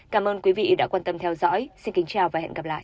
cảm ơn quý vị đã quan tâm theo dõi xin kính chào và hẹn gặp lại